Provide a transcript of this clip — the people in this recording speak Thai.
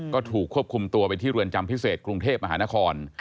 ก็ถูกควบคุมตัวไปที่เรือนจำพิเศษกรุงเทพมหานคร